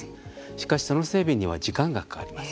しかし、その整備には時間がかかります。